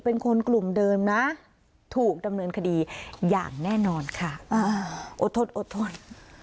เป็นคนกลุ่มเดิมนะถูกดำเนินคดีอย่างแน่นอนค่ะอดทนอดทน